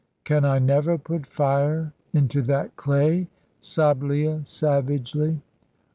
"Can I never put fire into that clay?" sobbed Leah, savagely.